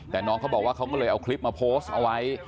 แต่น้องเขาบอกว่าเขาก็เลยเอาคลิปมาโพสต์เอาไว้